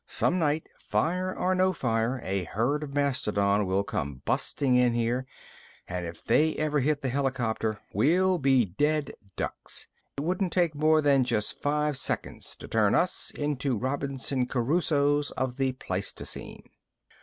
Some night, fire or no fire, a herd of mastodon will come busting in here and if they ever hit the helicopter, we'll be dead ducks. It wouldn't take more than just five seconds to turn us into Robinson Crusoes of the Pleistocene."